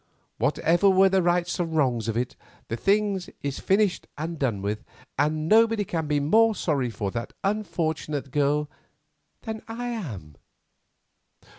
Whatever were the rights and wrongs of it, the thing is finished and done with, and nobody can be more sorry for that unfortunate girl than I am.